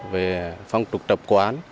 về phong trục tập quán